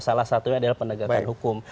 salah satunya adalah penegakan hukum